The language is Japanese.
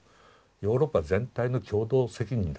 ヨーロッパ全体の共同責任だ。